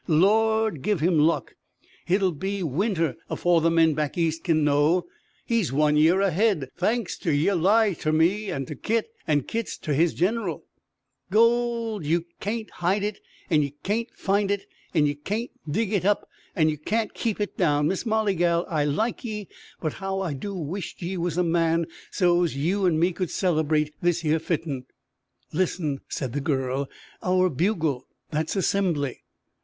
Lord give him luck! Hit'll be winter, afore the men back East kin know. He's one year ahead thanks ter yer lie ter me, an ter Kit, and Kit's ter his General. "Gold! Ye kain't hide hit an' ye kain't find hit an' ye kain't dig hit up an' ye kain't keep hit down. Miss Molly, gal, I like ye, but how I do wish't ye was a man, so's you an' me could celerbrate this here fitten!" "Listen!" said the girl. "Our bugle! That's Assembly!"